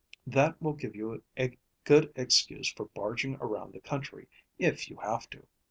That will give you a good excuse for barging around the country if you have to.